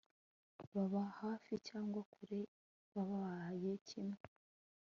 baba hafi cyangwa kure, bababaye kimwe